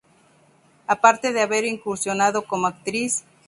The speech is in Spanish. Aparte de haber incursionado como actriz.